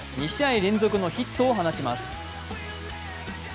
２試合連続のヒットを放ちます。